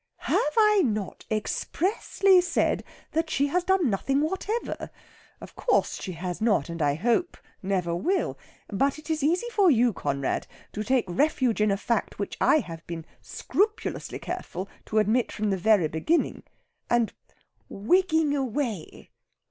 "Have I not expressly said that she has done nothing whatever? Of course she has not, and, I hope, never will. But it is easy for you, Conrad, to take refuge in a fact which I have been scrupulously careful to admit from the very beginning. And 'wigging away!'